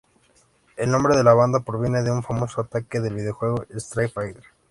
El nombre de la banda proviene de un famoso ataque del videojuego Street Fighter.